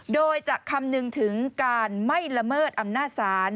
โดยจะคำนึงถึงการไม่ละเมิดอำนาจศาล